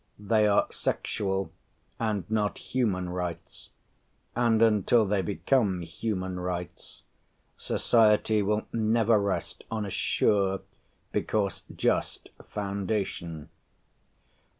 They are sexual, and not human rights, and until they become human rights, society will never rest on a sure, because just, foundation.